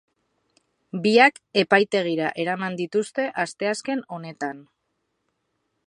Biak epaitegira eraman dituzte asteazken honetan.